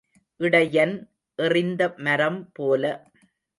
இடையன் எறிந்த மரம் போல.